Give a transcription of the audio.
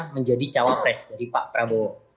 menjadi cawapres dari pak prabowo